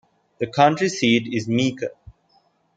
The county seat is Meeker.